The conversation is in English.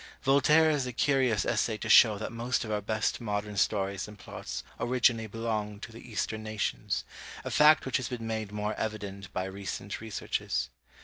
Voltaire has a curious essay to show that most of our best modern stories and plots originally belonged to the eastern nations, a fact which has been made more evident by recent researches.